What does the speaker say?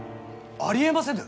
ありえませぬ！